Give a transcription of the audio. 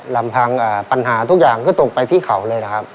ลำพังปัญหาทุกอย่างก็ตกไปที่เขาเลยนะครับ